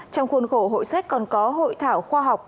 trong khuôn khổ hội sách còn có hội thảo khoa học